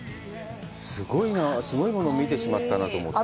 すごいものを見てしまったなと思って。